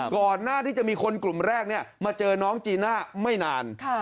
ก่อนหน้าที่จะมีคนกลุ่มแรกมาเจอน้องจีน่าไม่นาน